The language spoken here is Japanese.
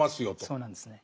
そうなんですね。